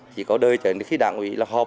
chỉ có đời trở nên khi đảng